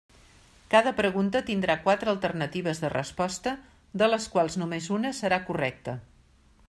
Cada pregunta tindrà quatre alternatives de resposta de les quals només una serà correcta.